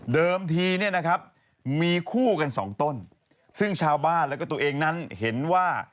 เดิมทีมีคู่กันสองต้นซึ่งชาวบ้านและตัวเองนั้นเห็นว่า